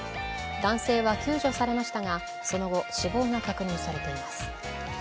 男性は救助されましたがその後、死亡が確認されています。